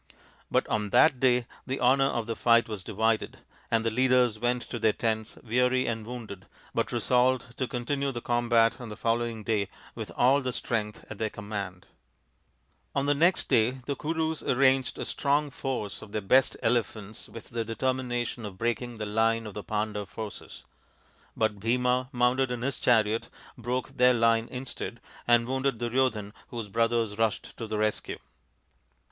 But on that day the honour of the fight was divided, and the leaders went to their tents weary and wounded, but resolved to continue the combat on the following day with all the strength at their command. THE FIVE TALL SONS OF PANDU 105 On the next day the Kurus arranged a strong force of their best elephants with the determination of breaking the line of the Pandav forces. But Bhima, mounted in his chariot, broke their line instead, and wounded Duryodhan, whose brothers rushed to the rescue.